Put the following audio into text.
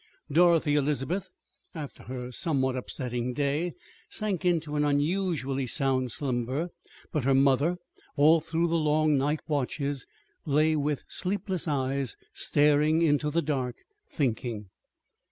Dorothy Elizabeth, after her somewhat upsetting day, sank into an unusually sound slumber; but her mother, all through the long night watches, lay with sleepless eyes staring into the dark, thinking.